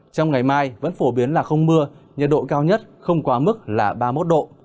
trong ngày mai vẫn phổ biến là không mưa nhiệt độ cao nhất không quá mức là ba mươi một độ